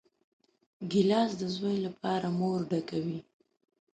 ګیلاس د زوی لپاره مور ډکوي.